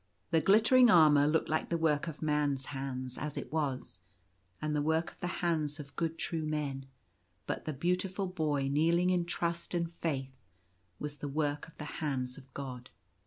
The glittering armour looked like the work of man's hands — as it was, and the work of the hands of good true men ; but the beautiful boy kneeling in trust and faith was the work of the hands of God.